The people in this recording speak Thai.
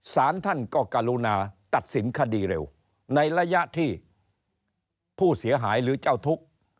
สารท่านก็กรุณาตัดสินคดีเร็วในระยะที่ผู้เสียหายหรือเจ้าทุกข์